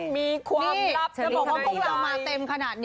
มีความลับเยี่ยมทำไม